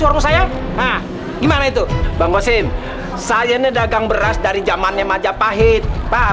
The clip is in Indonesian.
warung saya nah gimana itu bangkosin saya ini dagang beras dari zamannya majapahit paham